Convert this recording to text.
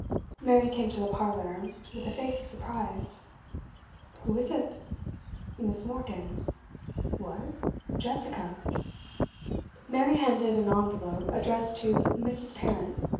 Mary came to the parlour, with a face of surprise. 'Who is it?' 'Miss. Morgan.' 'What? Jessica?' Mary handed an envelope, addressed to 'Mrs. Tarrant.